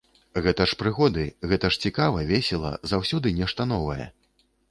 Гэта ж прыгоды, гэта ж цікава, весела, заўсёды нешта новае.